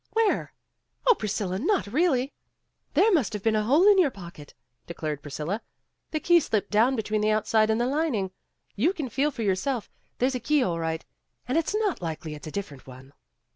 Where? Oh, Priscilla, not really ?"" There must have been a hole in your pocket," declared Priscilla. "The key slipped down between the outside and the lining. You can feel for yourself. There's a key all right, and it's not likely it's a different one."